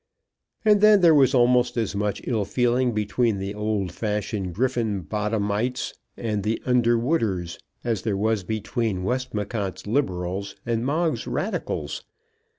And then there was almost as much ill feeling between the old fashioned Griffenbottomites and the Underwooders as there was between Westmacott's Liberals and Moggs's Radicals.